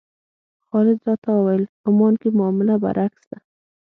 خالد راته وویل عمان کې معامله برعکس ده.